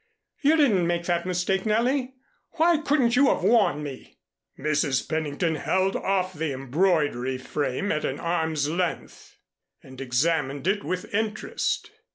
You didn't make that mistake, Nellie. Why couldn't you have warned me?" Mrs. Pennington held off the embroidery frame at arm's length and examined it with interest.